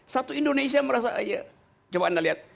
satu indonesia merasa coba anda lihat